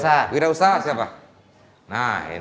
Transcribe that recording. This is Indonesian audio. saya peluang pilihan dari kelompok bidau usahaan